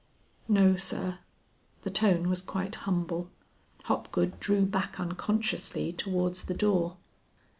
"No sir." The tone was quite humble, Hopgood drew back unconsciously towards the door.